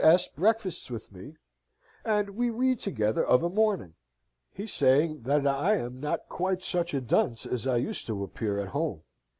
S. breakfasts with me, and we read together of a morning he saying that I am not quite such a dunce as I used to appear at home.